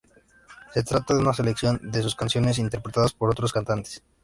Se trata de una selección de sus canciones interpretadas por otros cantantes.